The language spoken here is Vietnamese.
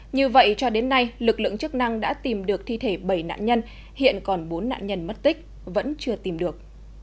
như vậy cho đến nay lực lượng chức năng đã tìm được thi thể bảy nạn nhân hiện còn bốn nạn nhân mất tích vẫn chưa tìm được